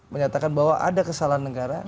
menyatakan bahwa ada kesalahan negara